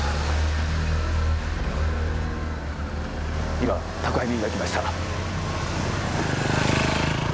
今宅配便が来ました。